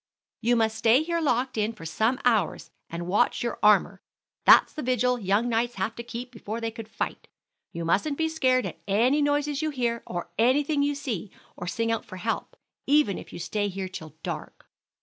"You must stay here locked in for some hours, and watch your armor. That's the vigil young knights had to keep before they could fight. You mustn't be scared at any noises you hear, or anything you see, or sing out for help, even if you stay here till dark.